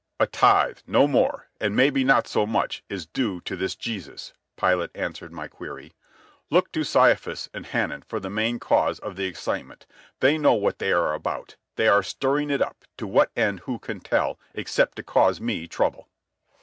"A tithe, no more, and maybe not so much, is due to this Jesus," Pilate answered my query. "Look to Caiaphas and Hanan for the main cause of the excitement. They know what they are about. They are stirring it up, to what end who can tell, except to cause me trouble."